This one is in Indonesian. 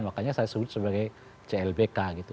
makanya saya sebut sebagai clbk gitu